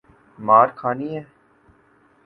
مار کھانی ہے؟